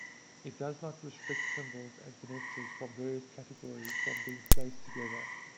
It does not restrict symbols and connectors from various categories from being placed together.